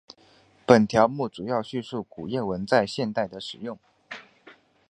本条目主要叙述古谚文在现代的使用。